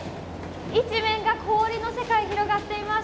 一面が氷の世界広がっています。